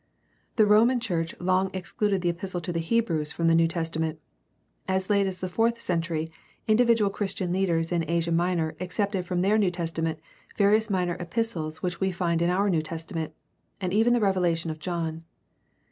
The Roman church long excluded the Epistle to the Hebrews from the New Testament. As late as the fourth century individual Christian leaders in Asia Minor excepted from their New Testament various minor epistles which we find in our New Testament, and even the Revelation of John.